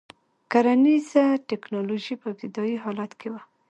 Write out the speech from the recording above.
کرنیزه ټکنالوژي په ابتدايي حالت کې وه.